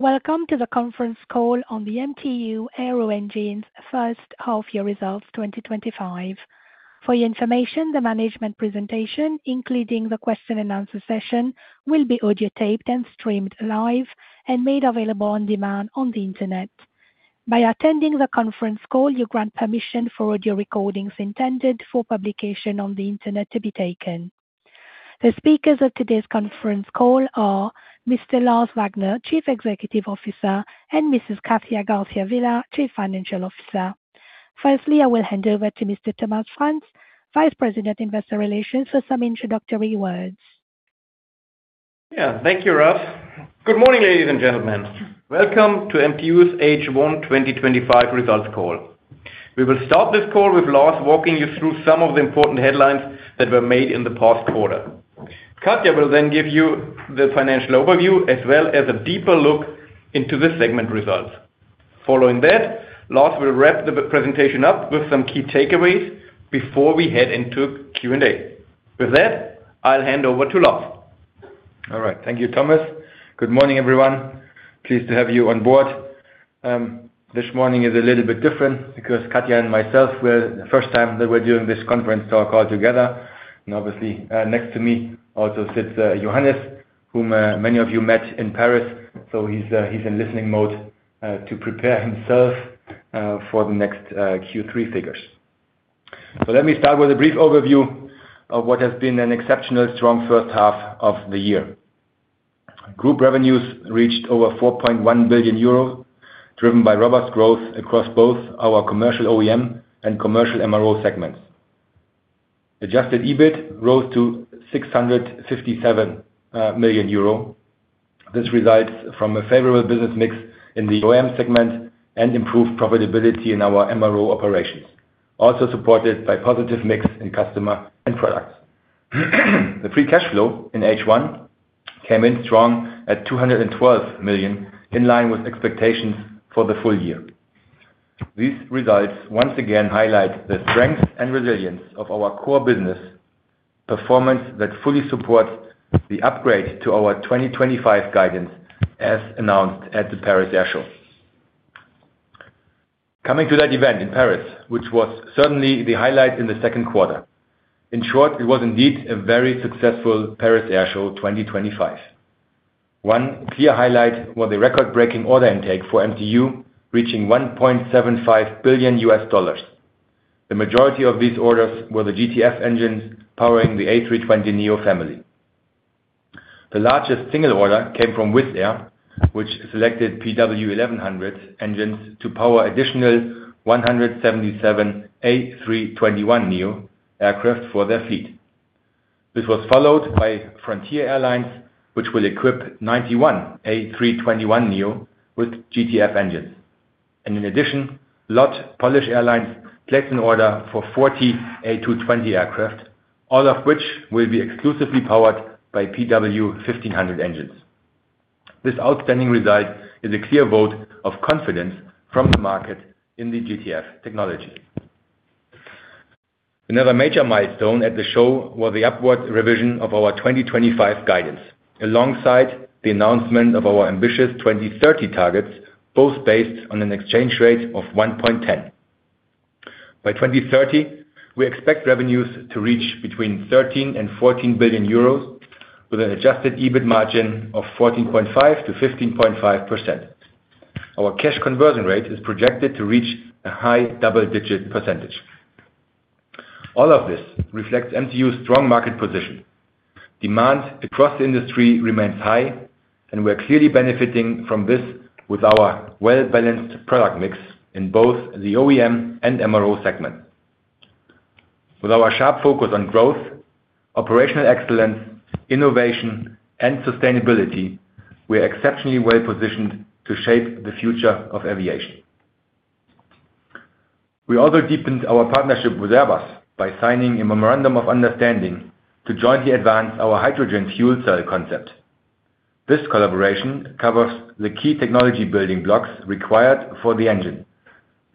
Welcome to the conference call on the MTU Aero Engines first half-year results 2025. For your information, the management presentation, including the question-and-answer session, will be audio-taped, then streamed live, and made available on demand on the internet. By attending the conference call, you grant permission for audio recordings intended for publication on the internet to be taken. The speakers of today's conference call are Mr. Lars Wagner, Chief Executive Officer, and Mrs. Katja Garcia Vila, Chief Financial Officer. Firstly, I will hand over to Mr. Thomas Franz, Vice President, Investor Relations, for some introductory words. Yeah, thank you, Ralph. Good morning, ladies and gentlemen. Welcome to MTU's H1 2025 results call. We will start this call with Lars walking you through some of the important headlines that were made in the past quarter. Katja will then give you the financial overview as well as a deeper look into the segment results. Following that, Lars will wrap the presentation up with some key takeaways before we head into Q&A. With that, I'll hand over to Lars. All right, thank you, Thomas. Good morning, everyone. Pleased to have you on board. This morning is a little bit different because Katja and myself were the first time that we're doing this conference call together. Obviously, next to me also sits Johannes, whom many of you met in Paris. He is in listening mode to prepare himself for the next Q3 figures. Let me start with a brief overview of what has been an exceptionally strong first half of the year. Group revenues reached over 4.1 billion euros, driven by robust growth across both our commercial OEM and commercial MRO segments. Adjusted EBIT rose to 657 million euro. This results from a favorable business mix in the OEM segment and improved profitability in our MRO operations, also supported by a positive mix in customer and products. The free cash flow in H1 came in strong at 212 million, in line with expectations for the full year. These results once again highlight the strength and resilience of our core business. Performance that fully supports the upgrade to our 2025 guidance as announced at the Paris Air Show. Coming to that event in Paris, which was certainly the highlight in the second quarter. In short, it was indeed a very successful Paris Air Show 2025. One clear highlight was the record-breaking order intake for MTU, reaching EUR 1.75 billion. The majority of these orders were the GTF engines powering the A320neo family. The largest single order came from Wizz Air, which selected PW1100 engines to power additional 177 A321neo aircraft for their fleet. This was followed by Frontier Airlines, which will equip 91 A321neo with GTF engines. In addition, LOT Polish Airlines placed an order for 40 A220 aircraft, all of which will be exclusively powered by PW1500 engines. This outstanding result is a clear vote of confidence from the market in the GTF technology. Another major milestone at the show was the upward revision of our 2025 guidance, alongside the announcement of our ambitious 2030 targets, both based on an exchange rate of 1.10. By 2030, we expect revenues to reach between 13 billion and 14 billion euros, with an adjusted EBIT margin of 14.5%-15.5%. Our cash conversion rate is projected to reach a high double-digit percentage. All of this reflects MTU's strong market position. Demand across the industry remains high, and we're clearly benefiting from this with our well-balanced product mix in both the OEM and MRO segments. With our sharp focus on growth, operational excellence, innovation, and sustainability, we are exceptionally well positioned to shape the future of aviation. We also deepened our partnership with Airbus by signing a memorandum of understanding to jointly advance our hydrogen fuel cell concept. This collaboration covers the key technology building blocks required for the engine,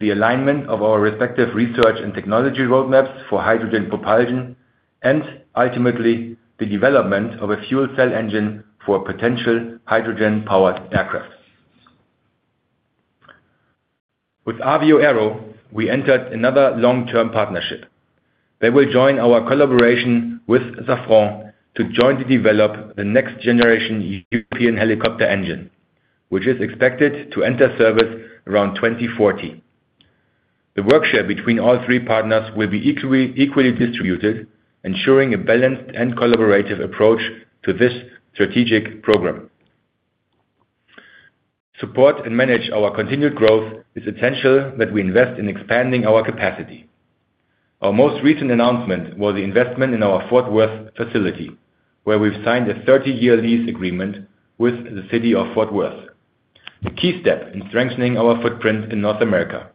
the alignment of our respective research and technology roadmaps for hydrogen propulsion, and ultimately the development of a fuel cell engine for potential hydrogen-powered aircraft. With Avio Aero, we entered another long-term partnership. They will join our collaboration with Safran to jointly develop the next-generation European helicopter engine, which is expected to enter service around 2040. The work shared between all three partners will be equally distributed, ensuring a balanced and collaborative approach to this strategic program. Support and manage our continued growth is essential that we invest in expanding our capacity. Our most recent announcement was the investment in our Fort Worth facility, where we've signed a 30-year lease agreement with the city of Fort Worth, a key step in strengthening our footprint in North America.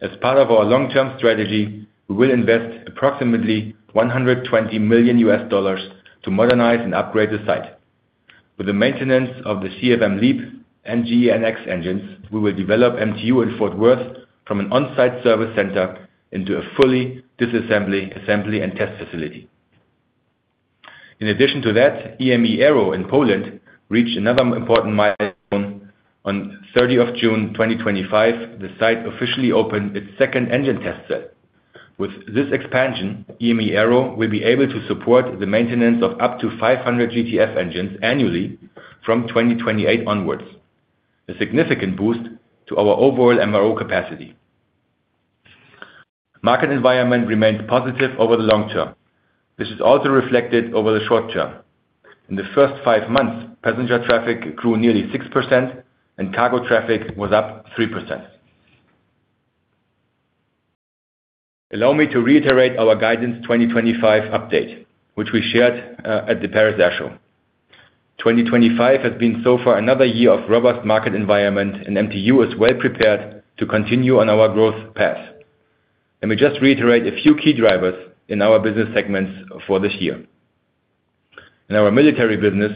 As part of our long-term strategy, we will invest approximately $120 million to modernize and upgrade the site. With the maintenance of the CFM LEAP and GEnx engines, we will develop MTU in Fort Worth from an on-site service center into a fully disassembly, assembly, and test facility. In addition to that, EME Aero in Poland reached another important milestone. On 30 June 2025, the site officially opened its second engine test cell. With this expansion, EME Aero will be able to support the maintenance of up to 500 GTF engines annually from 2028 onwards, a significant boost to our overall MRO capacity. Market environment remained positive over the long term. This is also reflected over the short term. In the first five months, passenger traffic grew nearly 6%, and cargo traffic was up 3%. Allow me to reiterate our guidance 2025 update, which we shared at the Paris Air Show. 2025 has been so far another year of robust market environment, and MTU is well prepared to continue on our growth path. Let me just reiterate a few key drivers in our business segments for this year. In our military business,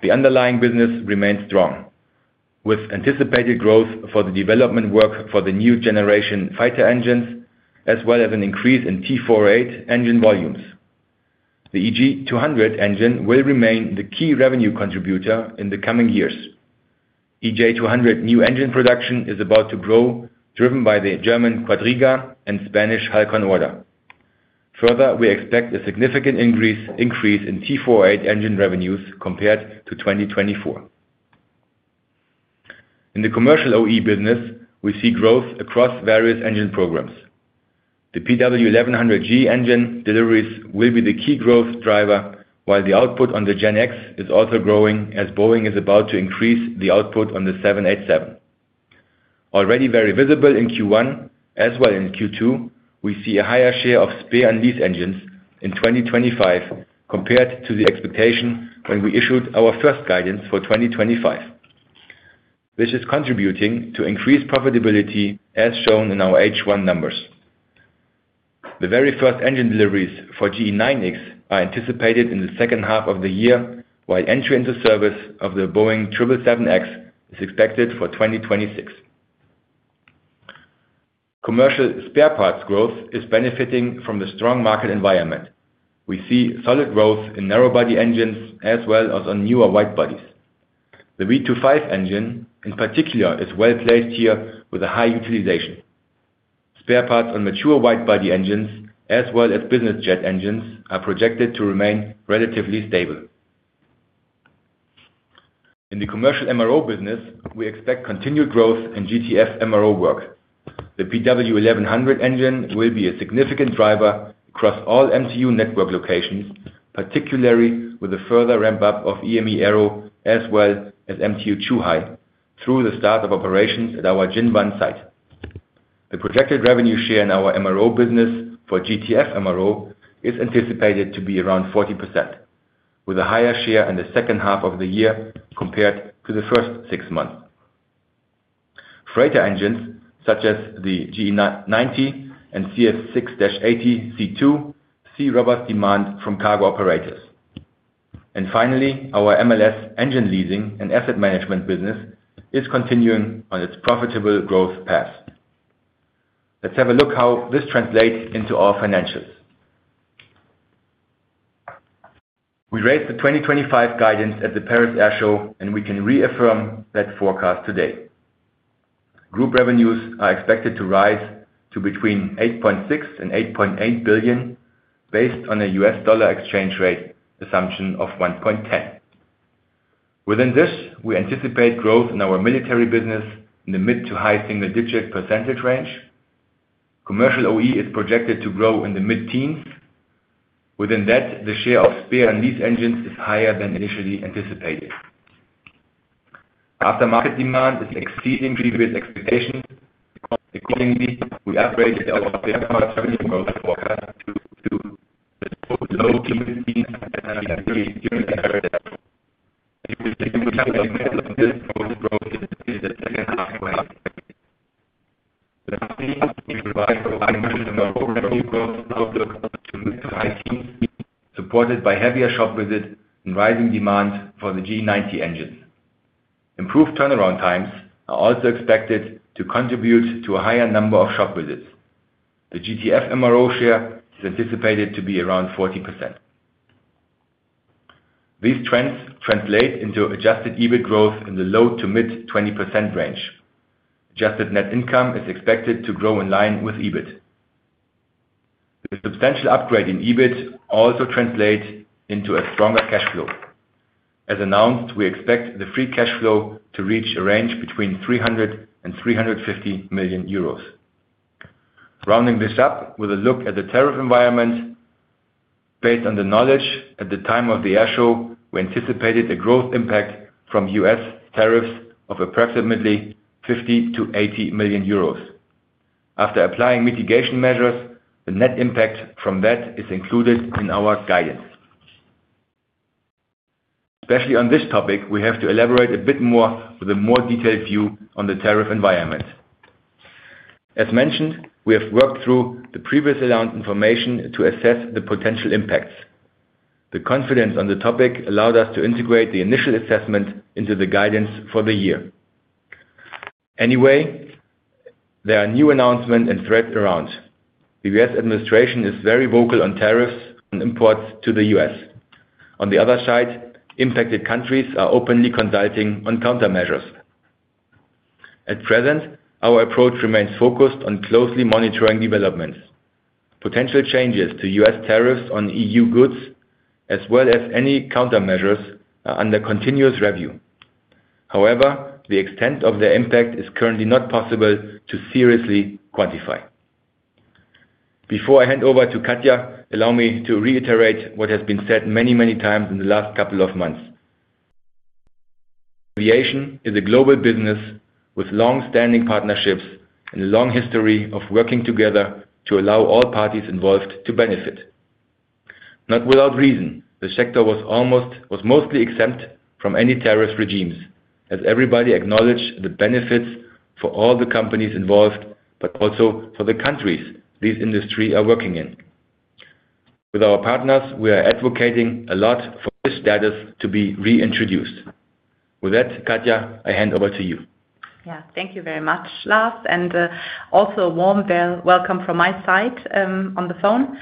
the underlying business remains strong, with anticipated growth for the development work for the new generation fighter engines, as well as an increase in T408 engine volumes. The EJ200 engine will remain the key revenue contributor in the coming years. EJ200 new engine production is about to grow, driven by the German Quadriga and Spanish Halcon order. Further, we expect a significant increase in T408 engine revenues compared to 2024. In the commercial OE business, we see growth across various engine programs. The PW1100G engine deliveries will be the key growth driver, while the output on the GEnx is also growing as Boeing is about to increase the output on the 787. Already very visible in Q1, as well in Q2, we see a higher share of spare and lease engines in 2025 compared to the expectation when we issued our first guidance for 2025. This is contributing to increased profitability, as shown in our H1 numbers. The very first engine deliveries for GE9X are anticipated in the second half of the year, while entry into service of the Boeing 777X is expected for 2026. Commercial spare parts growth is benefiting from the strong market environment. We see solid growth in narrow-body engines as well as on newer wide bodies. The V2500 engine, in particular, is well placed here with a high utilization. Spare parts on mature wide-body engines, as well as business jet engines, are projected to remain relatively stable. In the commercial MRO business, we expect continued growth in GTF MRO work. The PW1100G-JM engine will be a significant driver across all MTU network locations, particularly with a further ramp-up of EME Aero, as well as MTU Zhuhai, through the start of operations at our Jinwan site. The projected revenue share in our MRO business for GTF MRO is anticipated to be around 40%, with a higher share in the second half of the year compared to the first six months. Freighter engines, such as the GE90 and CF6-80C2, see robust demand from cargo operators. Finally, our MLS engine leasing and asset management business is continuing on its profitable growth path. Let's have a look at how this translates into our financials. We raised the 2025 guidance at the Paris Air Show, and we can reaffirm that forecast today. Group revenues are expected to rise to between 8.6 billion and 8.8 billion, based on a US dollar exchange rate assumption of 1.10. Within this, we anticipate growth in our military business in the mid to high single-digit % range. Commercial OE is projected to grow in the mid-teens. Within that, the share of spare and lease engines is higher than initially anticipated. Aftermarket demand is exceeding previous expectations. Accordingly, we upgraded our spare parts revenue growth forecast to the low cumulative growth. The company will provide for financial MRO revenue growth outlook to mid to high-teens, supported by heavier shop visits and rising demand for the GE90 engines. Improved turnaround times are also expected to contribute to a higher number of shop visits. The GTF MRO share is anticipated to be around 40%. These trends translate into adjusted EBIT growth in the low to mid 20% range. Adjusted net income is expected to grow in line with EBIT. The substantial upgrade in EBIT also translates into a stronger cash flow. As announced, we expect the free cash flow to reach a range between 300 million euros and 350 million euros. Rounding this up with a look at the tariff environment. Based on the knowledge at the time of the air show, we anticipated a growth impact from US tariffs of approximately 50 million-80 million euros. After applying mitigation measures, the net impact from that is included in our guidance. Especially on this topic, we have to elaborate a bit more with a more detailed view on the tariff environment. As mentioned, we have worked through the previously announced information to assess the potential impacts. The confidence on the topic allowed us to integrate the initial assessment into the guidance for the year. Anyway. There are new announcements and threats around. The US administration is very vocal on tariffs on imports to the US. On the other side, impacted countries are openly consulting on countermeasures. At present, our approach remains focused on closely monitoring developments. Potential changes to US tariffs on EU goods, as well as any countermeasures, are under continuous review. However, the extent of the impact is currently not possible to seriously quantify. Before I hand over to Katja, allow me to reiterate what has been said many, many times in the last couple of months. Aviation is a global business with long-standing partnerships and a long history of working together to allow all parties involved to benefit. Not without reason, the sector was mostly exempt from any tariff regimes, as everybody acknowledged the benefits for all the companies involved, but also for the countries these industries are working in. With our partners, we are advocating a lot for this status to be reintroduced. With that, Katja, I hand over to you. Yeah, thank you very much, Lars. And also a warm welcome from my side on the phone.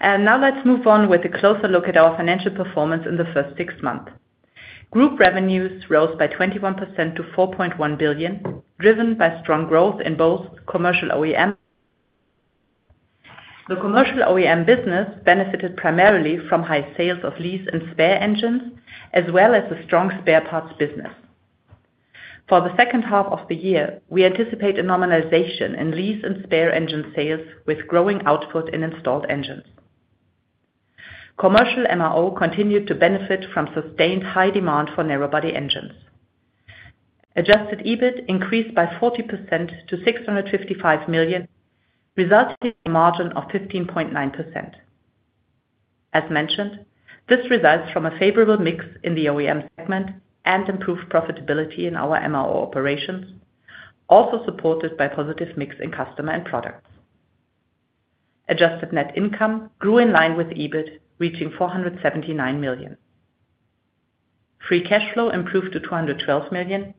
Now let's move on with a closer look at our financial performance in the first six months. Group revenues rose by 21% to 4.1 billion, driven by strong growth in both commercial OEM. The commercial OEM business benefited primarily from high sales of lease and spare engines, as well as a strong spare parts business. For the second half of the year, we anticipate a normalization in lease and spare engine sales with growing output in installed engines. Commercial MRO continued to benefit from sustained high demand for narrow-body engines. Adjusted EBIT increased by 40% to 655 million, resulting in a margin of 15.9%. As mentioned, this results from a favorable mix in the OEM segment and improved profitability in our MRO operations, also supported by a positive mix in customer and products. Adjusted net income grew in line with EBIT, reaching 479 million. Free cash flow improved to 212 million,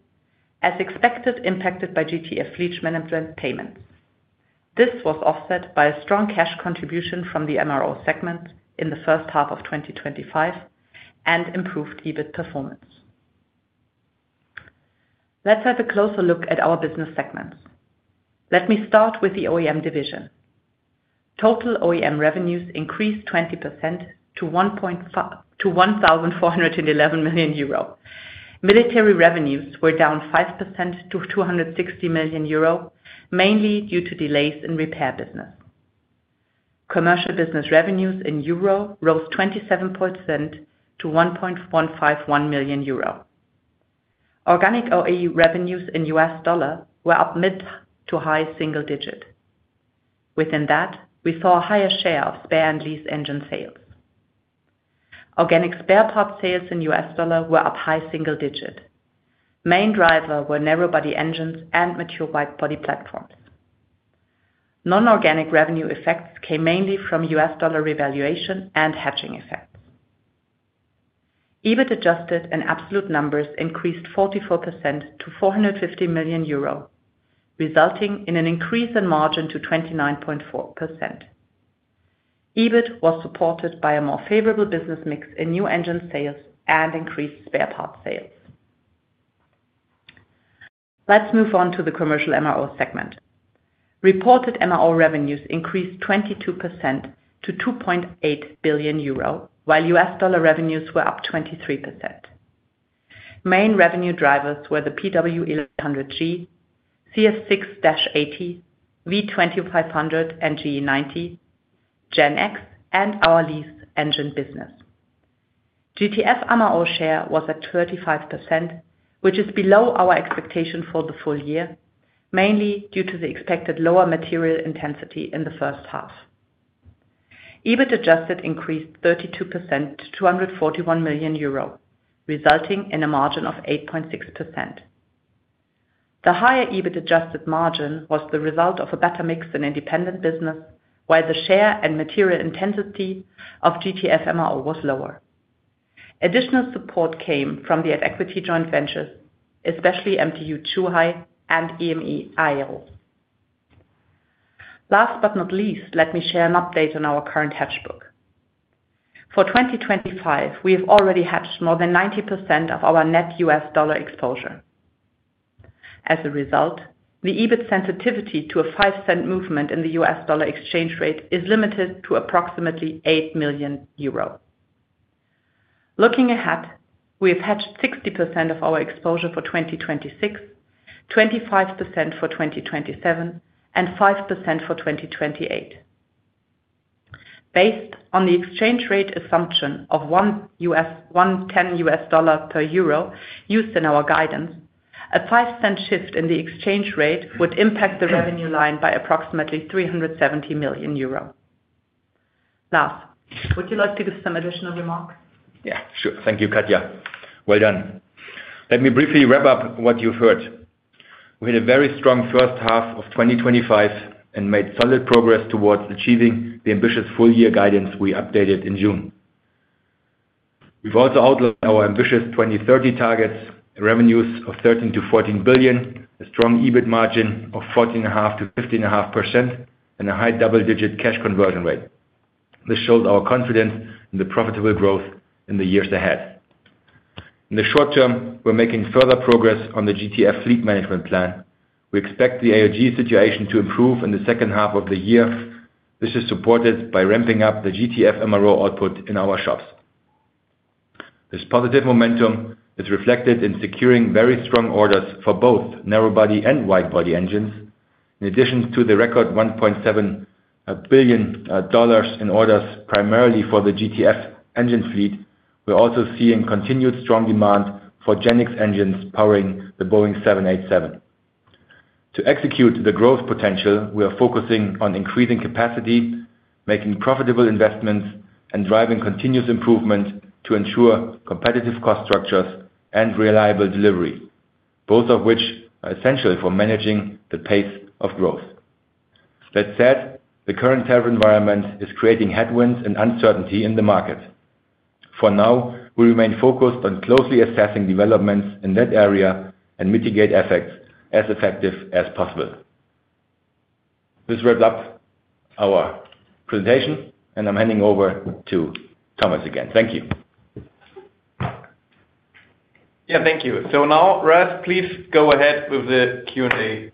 as expected impacted by GTF lease management payments. This was offset by a strong cash contribution from the MRO segment in the first half of 2025 and improved EBIT performance. Let's have a closer look at our business segments. Let me start with the OEM division. Total OEM revenues increased 20% to 1,411 million euro. Military revenues were down 5% to 260 million euro, mainly due to delays in repair business. Commercial business revenues in euro rose 27% to 1,151 million euro. Organic OE revenues in US dollar were up mid to high single-digit. Within that, we saw a higher share of spare and lease engine sales. Organic spare parts sales in US dollar were up high single-digit. Main driver were narrow-body engines and mature wide-body platforms. Non-organic revenue effects came mainly from US dollar revaluation and hedging effects. EBIT adjusted and absolute numbers increased 44% to 415 million euro, resulting in an increase in margin to 29.4%. EBIT was supported by a more favorable business mix in new engine sales and increased spare parts sales. Let's move on to the commercial MRO segment. Reported MRO revenues increased 22% to 2.8 billion euro, while US dollar revenues were up 23%. Main revenue drivers were the PW1100G, CF6-80, V2500, and GE90, GEnx, and our lease engine business. GTF MRO share was at 35%, which is below our expectation for the full year, mainly due to the expected lower material intensity in the first half. Adjusted EBIT increased 32% to 241 million euros, resulting in a margin of 8.6%. The higher adjusted EBIT margin was the result of a better mix in independent business, while the share and material intensity of GTF MRO was lower. Additional support came from the equity joint ventures, especially MTU Zhuhai and EME Aero. Last but not least, let me share an update on our current hedge book. For 2025, we have already hedged more than 90% of our net US dollar exposure. As a result, the EBIT sensitivity to a 5% movement in the US dollar exchange rate is limited to approximately 8 million euro. Looking ahead, we have hedged 60% of our exposure for 2026, 25% for 2027, and 5% for 2028. Based on the exchange rate assumption of 1.10 US dollar per euro used in our guidance, a 5% shift in the exchange rate would impact the revenue line by approximately 370 million euro. Lars, would you like to give some additional remarks? Yeah, sure. Thank you, Katja. Well done. Let me briefly wrap up what you've heard. We had a very strong first half of 2025 and made solid progress towards achieving the ambitious full-year guidance we updated in June. We've also outlined our ambitious 2030 targets: revenues of 13 billion-14 billion, a strong EBIT margin of 14.5%-15.5%, and a high double-digit cash conversion rate. This shows our confidence in the profitable growth in the years ahead. In the short term, we're making further progress on the GTF fleet management plan. We expect the AOG situation to improve in the second half of the year. This is supported by ramping up the GTF MRO output in our shops. This positive momentum is reflected in securing very strong orders for both narrow-body and wide-body engines. In addition to the record $1.7 billion in orders primarily for the GTF engine fleet, we're also seeing continued strong demand for GEnx engines powering the Boeing 787. To execute the growth potential, we are focusing on increasing capacity, making profitable investments, and driving continuous improvement to ensure competitive cost structures and reliable delivery, both of which are essential for managing the pace of growth. That said, the current tariff environment is creating headwinds and uncertainty in the market. For now, we remain focused on closely assessing developments in that area and mitigate effects as effectively as possible. This wraps up our presentation, and I'm handing over to Thomas again. Thank you. Yeah, thank you. So now, Ralph, please go ahead with the Q&A.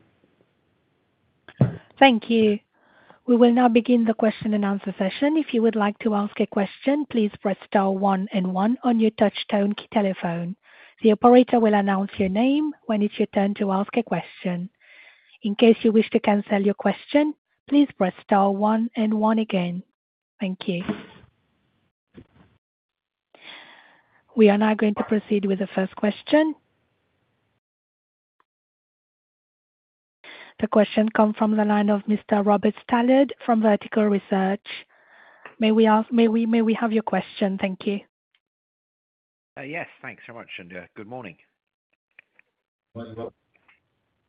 Thank you. We will now begin the question and answer session. If you would like to ask a question, please press star one and one on your touchtone telephone. The operator will announce your name when it's your turn to ask a question. In case you wish to cancel your question, please press star one and one again. Thank you. We are now going to proceed with the first question. The question comes from the line of Mr. Robert Stallard from Vertical Research. May we have your question? Thank you. Yes, thanks so much, and good morning. Morning as well.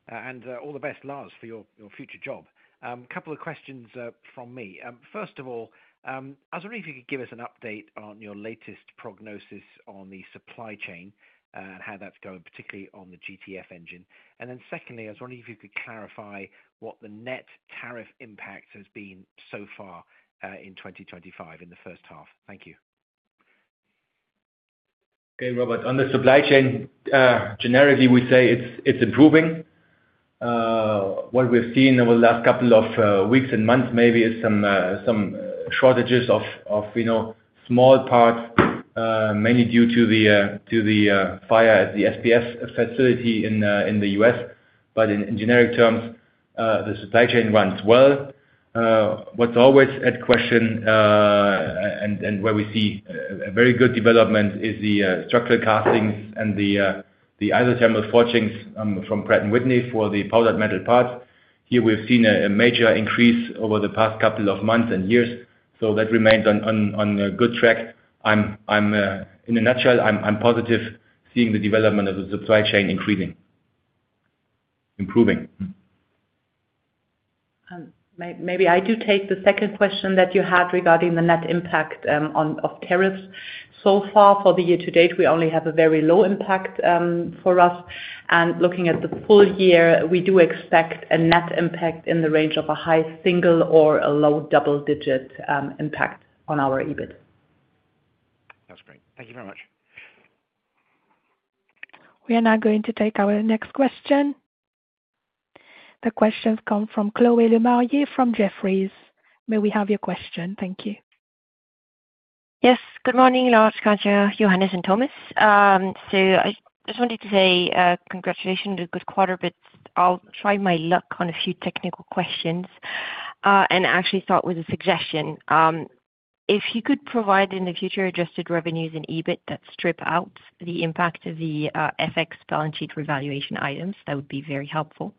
And all the best, Lars, for your future job. A couple of questions from me. First of all, I was wondering if you could give us an update on your latest prognosis on the supply chain and how that's going, particularly on the GTF engine. Then secondly, I was wondering if you could clarify what the net tariff impact has been so far in 2025 in the first half. Thank you. Okay, Robert. On the supply chain, generally, we say it's improving. What we've seen over the last couple of weeks and months maybe is some shortages of small parts, mainly due to the fire at the SPF facility in the U.S. But in generic terms, the supply chain runs well. What's always a question, and where we see a very good development, is the structural castings and the isothermal forgings from Pratt & Whitney for the powdered metal parts. Here, we've seen a major increase over the past couple of months and years, so that remains on a good track. In a nutshell, I'm positive seeing the development of the supply chain improving. Maybe I do take the second question that you had regarding the net impact of tariffs. So far, for the year to date, we only have a very low impact for us. Looking at the full year, we do expect a net impact in the range of a high single or a low double-digit impact on our EBIT. That's great. Thank you very much. We are now going to take our next question. The questions come from Chloé Lemarié from Jefferies. May we have your question? Thank you. Yes, good morning, Lars, Katja, Johannes, and Thomas. I just wanted to say congratulations and good quarter, but I'll try my luck on a few technical questions. I actually start with a suggestion. If you could provide in the future adjusted revenues and EBIT that strip out the impact of the FX balance sheet revaluation items, that would be very helpful.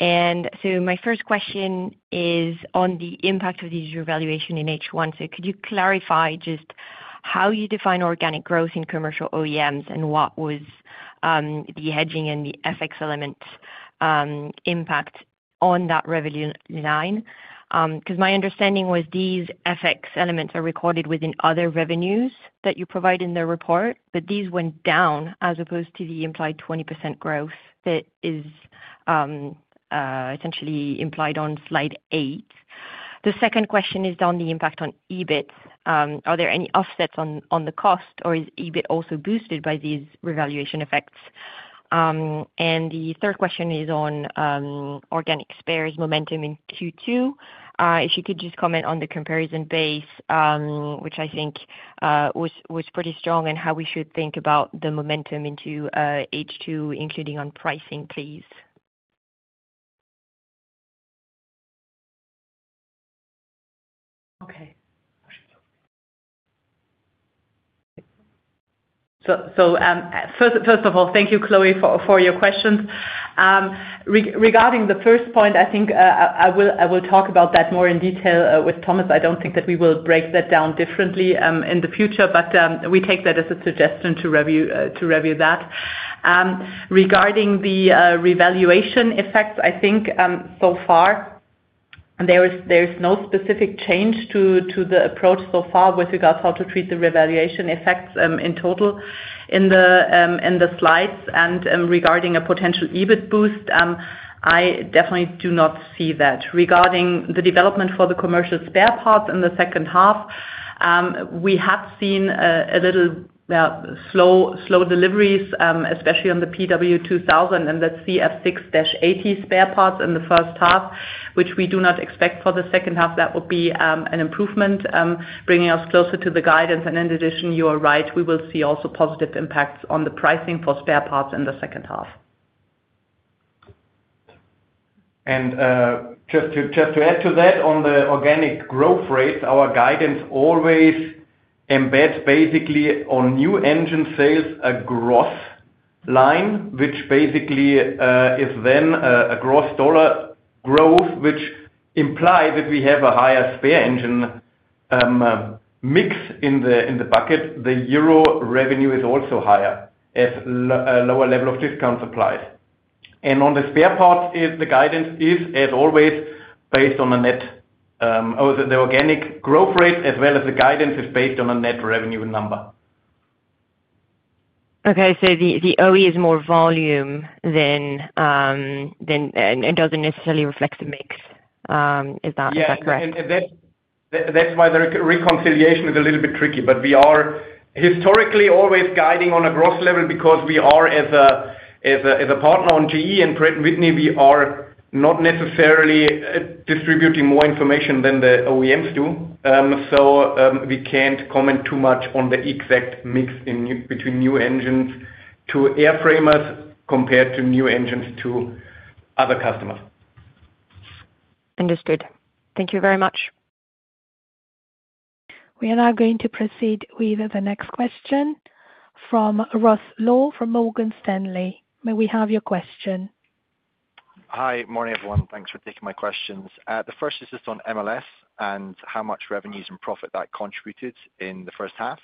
My first question is on the impact of these revaluations in H1. Could you clarify just how you define organic growth in commercial OEMs and what was the hedging and the FX element impact on that revenue line? My understanding was these FX elements are recorded within other revenues that you provide in the report, but these went down as opposed to the implied 20% growth that is. Essentially implied on slide eight. The second question is on the impact on EBIT. Are there any offsets on the cost, or is EBIT also boosted by these revaluation effects? The third question is on organic spares momentum in Q2. If you could just comment on the comparison base, which I think was pretty strong, and how we should think about the momentum into H2, including on pricing, please. Okay. First of all, thank you, Chloé, for your questions. Regarding the first point, I think I will talk about that more in detail with Thomas. I do not think that we will break that down differently in the future, but we take that as a suggestion to review that. Regarding the revaluation effects, I think so far, there is no specific change to the approach so far with regards to how to treat the revaluation effects in total in the slides. Regarding a potential EBIT boost, I definitely do not see that. Regarding the development for the commercial spare parts in the second half, we have seen a little slow deliveries, especially on the PW2000 and the CF6-80 spare parts in the first half, which we do not expect for the second half. That would be an improvement, bringing us closer to the guidance. In addition, you are right, we will see also positive impacts on the pricing for spare parts in the second half. Just to add to that, on the organic growth rate, our guidance always embeds basically on new engine sales a gross line, which basically is then a gross dollar growth, which implies that we have a higher spare engine mix in the bucket. The euro revenue is also higher as a lower level of discount applies. On the spare parts, the guidance is, as always, based on the organic growth rate, as well as the guidance is based on a net revenue number. Okay, so the OE is more volume than, and does not necessarily reflect the mix. Is that correct? Yeah, and that is why the reconciliation is a little bit tricky. We are historically always guiding on a gross level because we are, as a partner on GE and Pratt & Whitney, we are not necessarily distributing more information than the OEMs do. We cannot comment too much on the exact mix between new engines to airframers compared to new engines to other customers. Understood. Thank you very much. We are now going to proceed with the next question from Ross Law from Morgan Stanley. May we have your question? Hi, morning everyone. Thanks for taking my questions. The first is just on MLS and how much revenues and profit that contributed in the first half.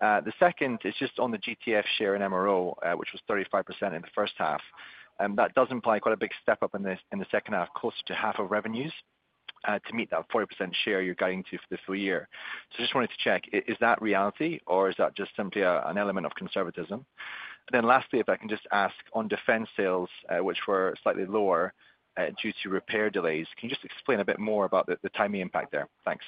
The second is just on the GTF share in MRO, which was 35% in the first half. That does imply quite a big step up in the second half, close to half of revenues, to meet that 40% share you're guiding to for the full year. I just wanted to check, is that reality, or is that just simply an element of conservatism? Lastly, if I can just ask on defense sales, which were slightly lower due to repair delays, can you just explain a bit more about the timing impact there? Thanks.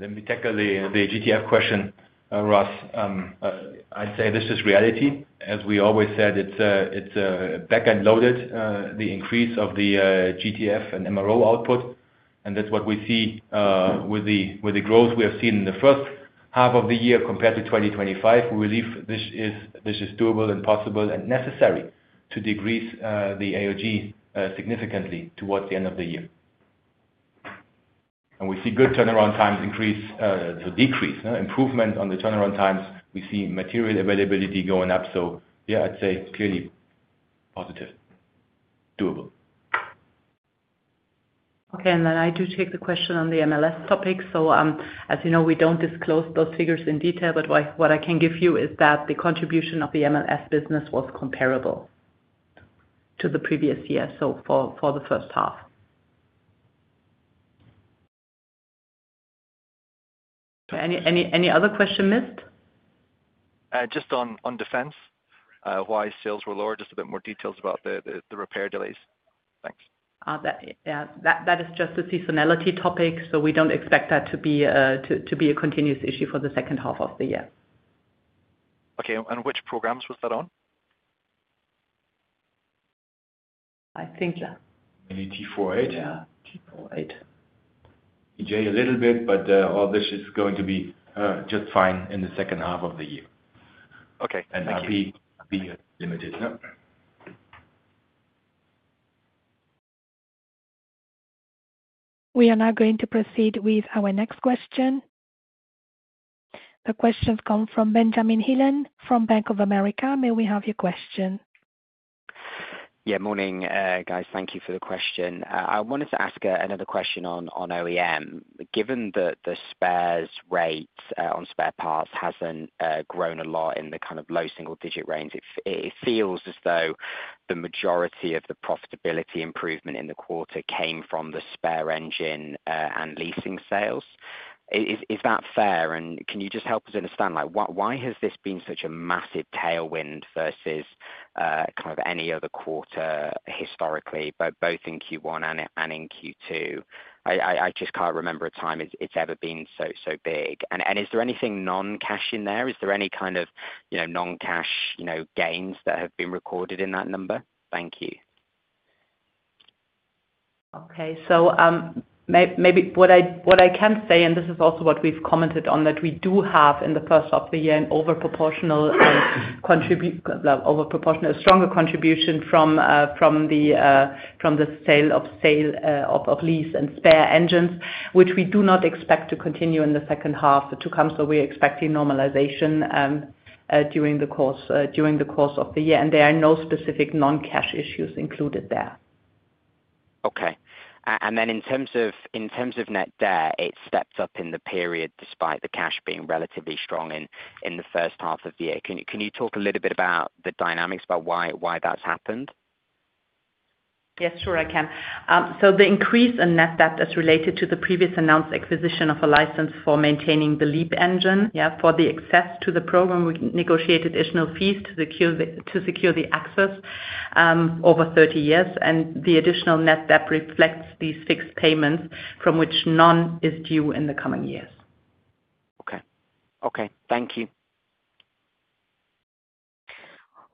Let me tackle the GTF question, Ross. I'd say this is reality. As we always said, it's back-end loaded, the increase of the GTF and MRO output. That's what we see with the growth we have seen in the first half of the year compared to 2025. We believe this is doable and possible and necessary to decrease the AOG significantly towards the end of the year. We see good turnaround times increase to decrease. Improvement on the turnaround times, we see material availability going up. Yeah, I'd say clearly. Positive. Doable. Okay, I do take the question on the MLS topic. As you know, we don't disclose those figures in detail, but what I can give you is that the contribution of the MLS business was comparable to the previous year, so for the first half. Any other question missed? Just on defense, why sales were lower, just a bit more details about the repair delays. Thanks. That is just a seasonality topic, we don't expect that to be a continuous issue for the second half of the year. Okay, and which programs was that on? I think. Maybe T408. T408. TJ, a little bit, but all this is going to be just fine in the second half of the year. Okay, thank you. I'll be limited. We are now going to proceed with our next question. The questions come from Benjamin Heelan from Bank of America. May we have your question? Yeah, morning, guys. Thank you for the question. I wanted to ask another question on OEM. Given that the spares rate on spare parts hasn't grown a lot in the kind of low single-digit range, it feels as though the majority of the profitability improvement in the quarter came from the spare engine and leasing sales. Is that fair? Can you just help us understand why has this been such a massive tailwind versus kind of any other quarter historically, both in Q1 and in Q2? I just can't remember a time it's ever been so big. Is there anything non-cash in there? Is there any kind of non-cash gains that have been recorded in that number? Thank you. Okay, maybe what I can say, and this is also what we've commented on, that we do have in the first half of the year an overproportional stronger contribution from the sale of. Lease and spare engines, which we do not expect to continue in the second half to come. We are expecting normalization during the course of the year. There are no specific non-cash issues included there. Okay. In terms of net debt, it stepped up in the period despite the cash being relatively strong in the first half of the year. Can you talk a little bit about the dynamics, about why that's happened? Yes, sure, I can. The increase in net debt is related to the previously announced acquisition of a license for maintaining the LEAP engine, yeah, for the access to the program. We negotiated additional fees to secure the access over 30 years. The additional net debt reflects these fixed payments from which none is due in the coming years. Okay. Okay, thank you.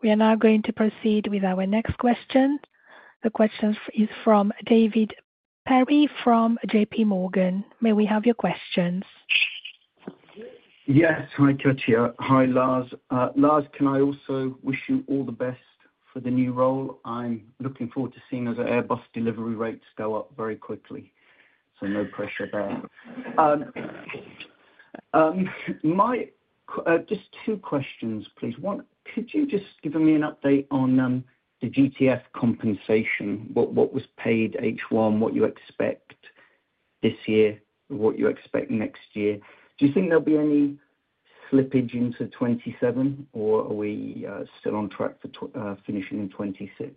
We are now going to proceed with our next question. The question is from David Perry from JPMorgan. May we have your questions? Yes, hi Katja. Hi, Lars. Lars, can I also wish you all the best for the new role? I'm looking forward to seeing those Airbus delivery rates go up very quickly. No pressure there. Just two questions, please. One, could you just give me an update on the GTF compensation? What was paid H1, what you expect this year, what you expect next year? Do you think there'll be any slippage into 2027, or are we still on track for finishing in 2026?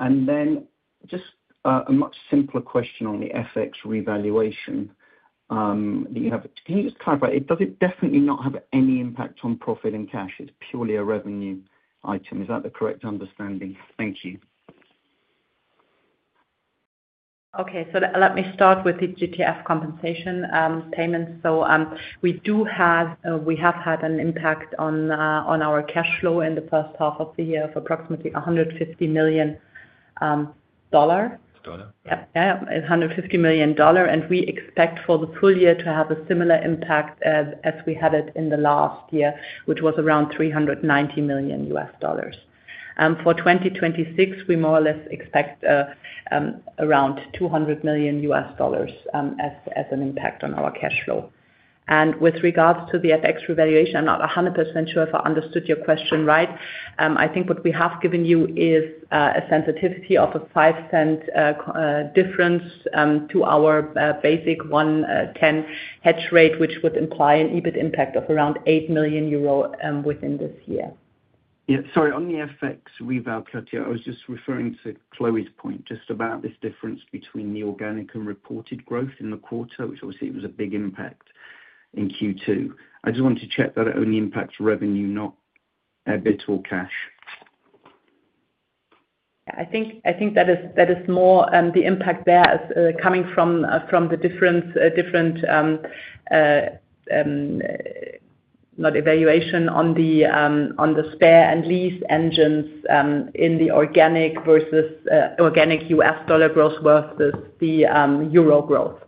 Then just a much simpler question on the FX revaluation that you have. Can you just clarify? Does it definitely not have any impact on profit and cash? It's purely a revenue item. Is that the correct understanding? Thank you. Okay, let me start with the GTF compensation payments. We have had an impact on our cash flow in the first half of the year of approximately $150 million. Yeah, $150 million. We expect for the full year to have a similar impact as we had in the last year, which was around $390 million. For 2026, we more or less expect around $200 million as an impact on our cash flow. With regards to the FX revaluation, I'm not 100% sure if I understood your question right. I think what we have given you is a sensitivity of a 5.10 difference to our basic 1.10 hedge rate, which would imply an EBIT impact of around 8 million euro within this year. Yeah, sorry, on the FX reval, Katja, I was just referring to Chloé's point just about this difference between the organic and reported growth in the quarter, which obviously was a big impact in Q2. I just wanted to check that it only impacts revenue, not EBIT or cash. I think that is more the impact there is coming from the different, not evaluation on the. Spare and lease engines in the organic versus organic US dollar growth versus the euro growth.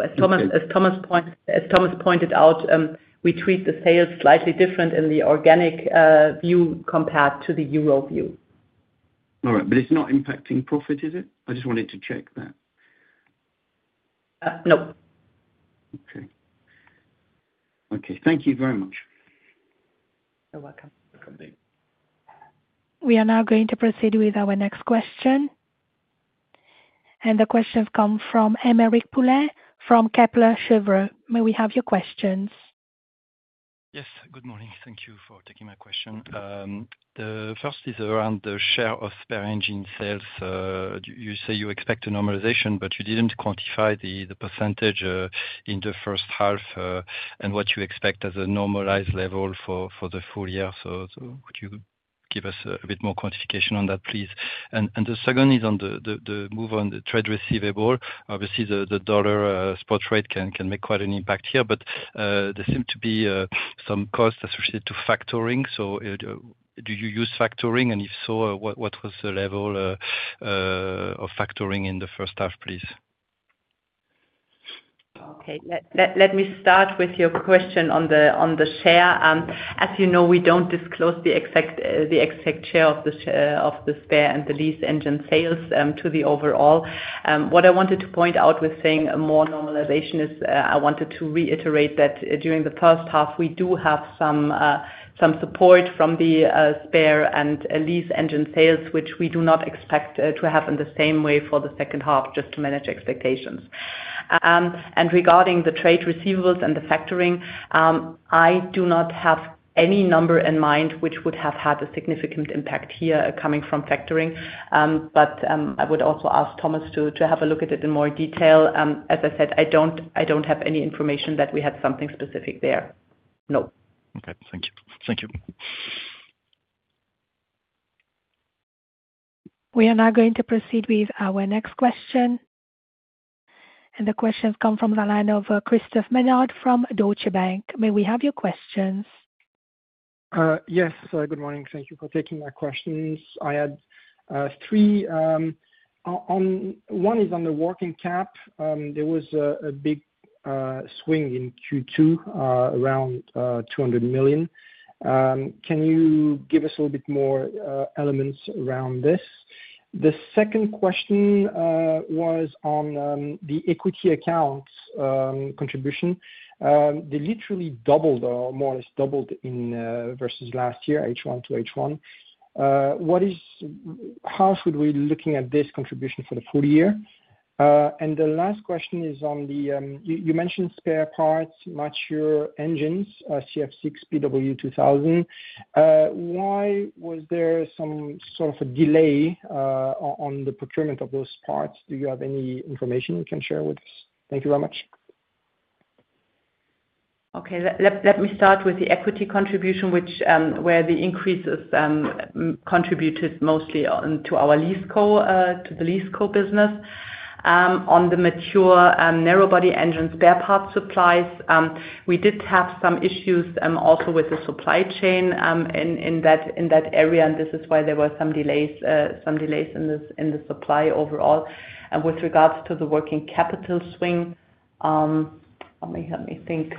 As Thomas pointed out, we treat the sales slightly different in the organic view compared to the euro view. All right, but it's not impacting profit, is it? I just wanted to check that. No. Okay. Okay, thank you very much. You're welcome. Welcome, David. We are now going to proceed with our next question. The questions come from Aymeric Poulain from Kepler Cheuvreux. May we have your questions? Yes, good morning. Thank you for taking my question. The first is around the share of spare engine sales. You say you expect a normalization, but you did not quantify the percentage in the first half and what you expect as a normalized level for the full year. Could you give us a bit more quantification on that, please? The second is on the move on the trade receivable. Obviously, the dollar spot rate can make quite an impact here, but there seem to be some costs associated to factoring. Do you use factoring? If so, what was the level of factoring in the first half, please? Okay, let me start with your question on the share. As you know, we do not disclose the exact share of the spare and the lease engine sales to the overall. What I wanted to point out with saying more normalization is I wanted to reiterate that during the first half, we do have some support from the spare and lease engine sales, which we do not expect to have in the same way for the second half, just to manage expectations. Regarding the trade receivables and the factoring, I do not have any number in mind which would have had a significant impact here coming from factoring. I would also ask Thomas to have a look at it in more detail. As I said, I do not have any information that we had something specific there. No. Okay, thank you. Thank you. We are now going to proceed with our next question. The questions come from the line of Christophe Menard from Deutsche Bank. May we have your questions? Yes, good morning. Thank you for taking my questions. I had three. One is on the working cap. There was a big swing in Q2 around 200 million. Can you give us a little bit more elements around this? The second question was on the equity accounts contribution. They literally doubled or more or less doubled versus last year, H1 to H1. How should we be looking at this contribution for the full year? The last question is on the you mentioned spare parts, mature engines, CF6, PW2000. Why was there some sort of a delay on the procurement of those parts? Do you have any information you can share with us? Thank you very much. Okay, let me start with the equity contribution, where the increases. Contributed mostly to our lease co, to the lease co business. On the mature narrow-body engine spare parts supplies, we did have some issues also with the supply chain in that area, and this is why there were some delays in the supply overall. With regards to the working capital swing, let me think.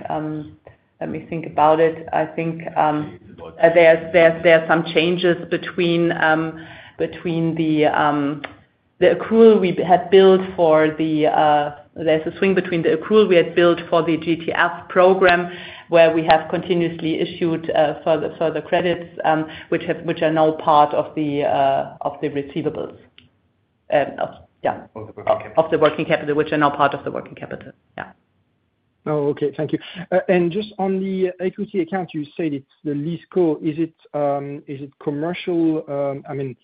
Let me think about it. I think there are some changes between the accrual we had built for the, there is a swing between the accrual we had built for the GTF program, where we have continuously issued further credits, which are now part of the receivables, yeah, of the working capital, which are now part of the working capital, yeah. Okay, thank you. Just on the equity account, you said it is the lease co. Is it commercial? I mean,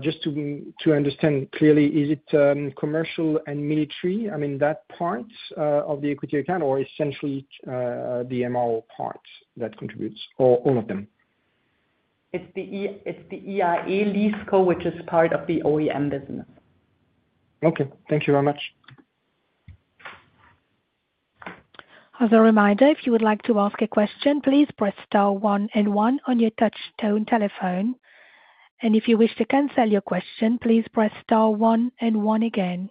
just to understand clearly, is it commercial and military? I mean, that part of the equity account, or essentially the MRO part that contributes, or all of them? It is the EA lease co, which is part of the OEM business. Okay, thank you very much. As a reminder, if you would like to ask a question, please press star one and one on your touchstone telephone. If you wish to cancel your question, please press star one and one again.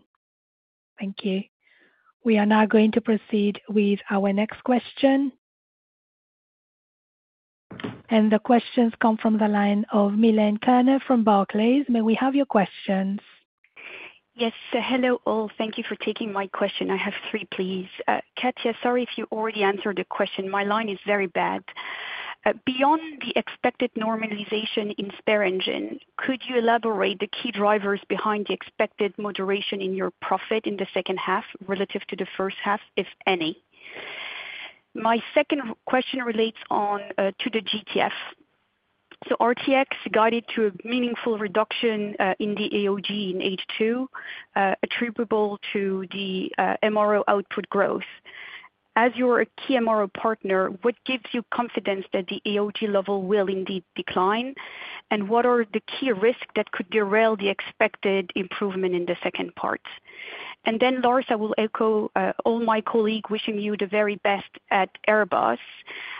Thank you. We are now going to proceed with our next question. The questions come from the line of Milène Kerner from Barclays. May we have your questions? Yes, hello all. Thank you for taking my question. I have three, please. Katja, sorry if you already answered the question. My line is very bad. Beyond the expected normalization in spare engine, could you elaborate the key drivers behind the expected moderation in your profit in the second half relative to the first half, if any? My second question relates to the GTF. RTX guided to a meaningful reduction in the AOG in H2, attributable to the MRO output growth. As your key MRO partner, what gives you confidence that the AOG level will indeed decline, and what are the key risks that could derail the expected improvement in the second part? Then, Lars, I will echo all my colleague, wishing you the very best at Airbus.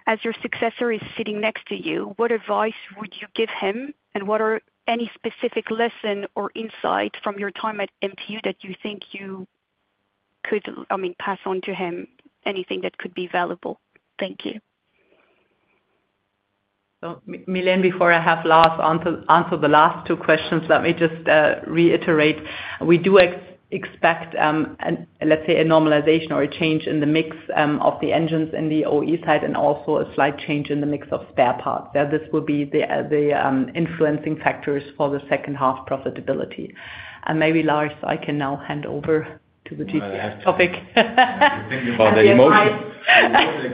As your successor is sitting next to you, what advice would you give him, and what are any specific lessons or insights from your time at MTU that you think you could, I mean, pass on to him? Anything that could be valuable? Thank you. Milène, before I have Lars answer the last two questions, let me just reiterate. We do expect, let's say, a normalization or a change in the mix of the engines in the OE side, and also a slight change in the mix of spare parts. This will be the influencing factors for the second half profitability. Maybe, Lars, I can now hand over to the GTF topic. Thinking about the emotions.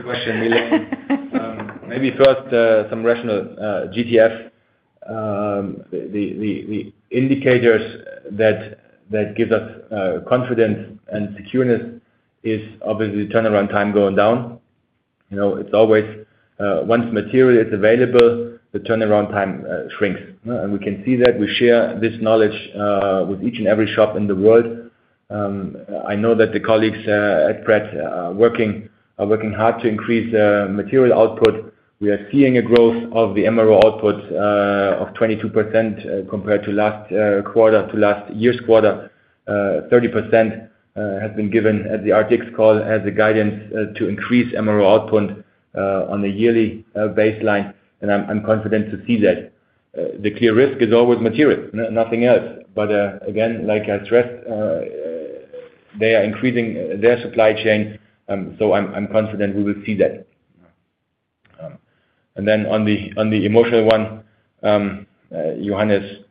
Question, Milène. Maybe first, some rational GTF. The indicators that give us confidence and secureness is obviously the turnaround time going down. It's always once material is available, the turnaround time shrinks. We can see that. We share this knowledge with each and every shop in the world. I know that the colleagues at Pratt are working hard to increase material output. We are seeing a growth of the MRO output of 22% compared to last quarter to last year's quarter. 30% has been given at the RTX call as a guidance to increase MRO output on a yearly baseline. I'm confident to see that. The clear risk is always material, nothing else. Again, like I stressed, they are increasing their supply chain, so I'm confident we will see that. On the emotional one, Johannes.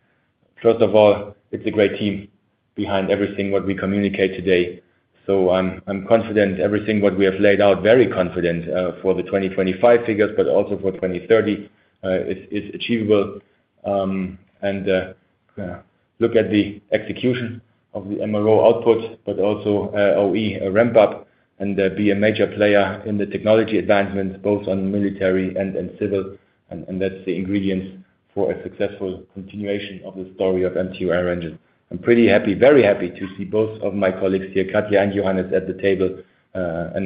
First of all, it's a great team behind everything we communicate today. I'm confident everything we have laid out, very confident for the 2025 figures, but also for 2030, is achievable. Look at the execution of the MRO output, but also OE ramp-up and be a major player in the technology advancement, both on military and civil. That's the ingredients for a successful continuation of the story of MTU Aero Engines. I'm pretty happy, very happy to see both of my colleagues here, Katja and Johannes, at the table. I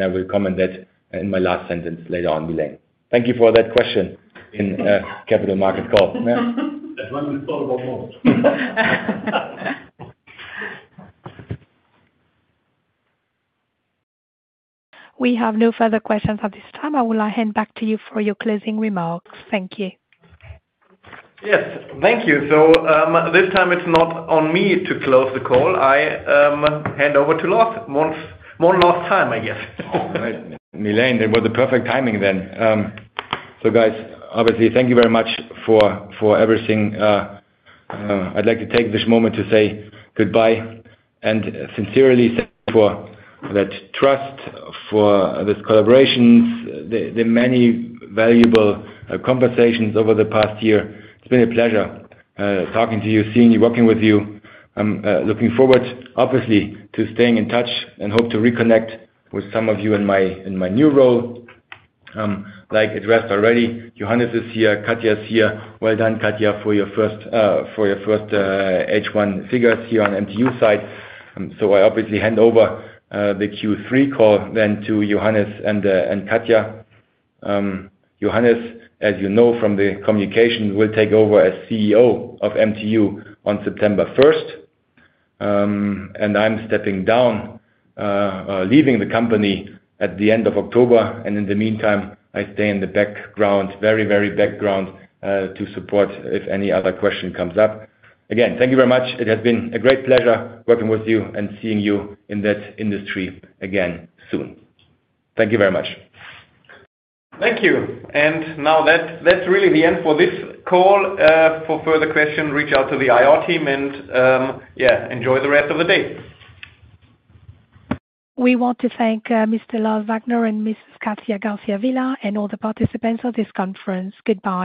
will comment on that in my last sentence later on, Milène. Thank you for that question in capital market call. That's what we thought about most. We have no further questions at this time. I will now hand back to you for your closing remarks. Thank you. Yes, thank you. This time, it's not on me to close the call. I hand over to Lars. One last time, I guess. Oh, right. Milène, that was the perfect timing then. Guys, obviously, thank you very much for everything. I'd like to take this moment to say goodbye and sincerely thank you for that trust, for this collaboration, the many valuable conversations over the past year. It's been a pleasure talking to you, seeing you, working with you. I'm looking forward, obviously, to staying in touch and hope to reconnect with some of you in my new role. Like it rests already, Johannes is here, Katja is here. Well done, Katja, for your first H1 figures here on MTU side. I obviously hand over the Q3 call then to Johannes and Katja. Johannes, as you know from the communication, will take over as CEO of MTU on September 1st, 2025. I'm stepping down, leaving the company at the end of October. In the meantime, I stay in the background, very, very background, to support if any other question comes up. Again, thank you very much. It has been a great pleasure working with you and seeing you in that industry again soon. Thank you very much. Thank you. That is really the end for this call. For further questions, reach out to the IR team. Yeah, enjoy the rest of the day. We want to thank Mr. Lars Wagner and Ms. Katja Garcia Vila and all the participants of this conference. Goodbye.